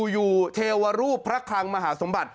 อยู่เทวรูปพระคลังมหาสมบัติ